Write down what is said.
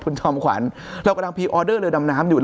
คุณจอมขวัญเรากำลังพรีออเดอร์เรือดำน้ำอยู่